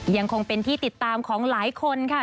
ยังคงเป็นที่ติดตามของหลายคนค่ะ